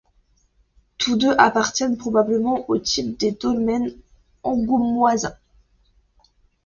Tous deux appartiennent probablement au type des dolmens angoumoisins.